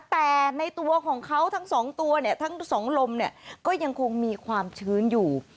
แต่ในตัวของเขาทั้งสองตัวเนี่ยทั้งสองลมเนี่ยก็ยังคงมีความชื้นอยู่